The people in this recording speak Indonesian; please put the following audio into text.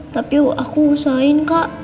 tapi aku usahain kak